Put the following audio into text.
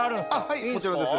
はいもちろんです。